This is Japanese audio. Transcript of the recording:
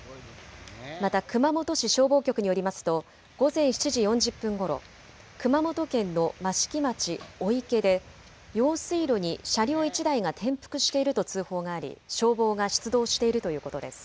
また熊本市消防局によりますと午前７時４０分ごろ、熊本県の益城町小池で用水路に車両１台が転覆していると通報があり消防が出動しているということです。